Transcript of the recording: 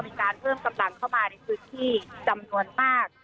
มีการเพิ่มกำลังเข้ามาในพื้นที่จำนวนมาก